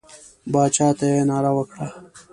باچا ته یې ناره وکړه.